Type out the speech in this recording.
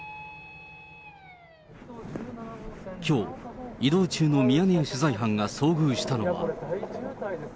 きょう、移動中のミヤネ屋取材班が遭遇したのは。